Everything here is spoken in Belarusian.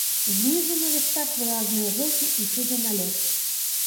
Знізу на лістах выразныя жылкі і шызы налёт.